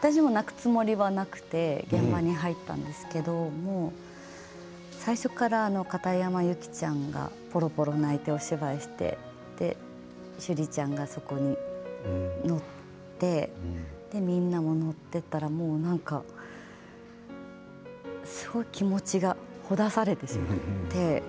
私も泣くつもりはなくて現場に入ったんですけど最初から片山友希ちゃんがぽろぽろ泣いてお芝居を始めて趣里ちゃんがそこに乗っていってみんなが乗っていったらなんかすごく気持ちがほだされてしまって。